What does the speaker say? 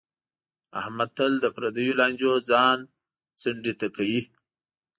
احمد تل له پردیو لانجو ځان څنډې ته کوي.